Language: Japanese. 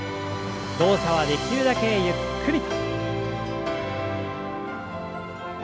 動作はできるだけゆっくり。